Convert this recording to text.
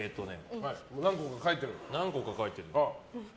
何個か書いてるんだ。